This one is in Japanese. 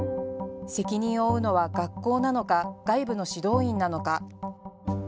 責任を負うのは学校なのか外部の指導員なのか。